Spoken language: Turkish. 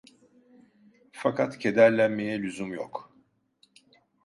Fakat kederlenmeye lüzum yok.